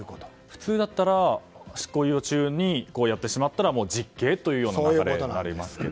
普通だったら執行猶予中にやってしまったら実刑という流れになりますけど。